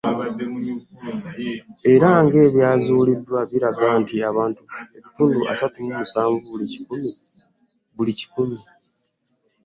Era ng'ebyazuuliddwa biraga nti abantu ebitundu asatu mu musanvu ku buli kikumi